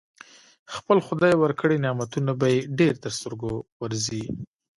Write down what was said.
خپل خدای ورکړي نعمتونه به يې ډېر تر سترګو ورځي.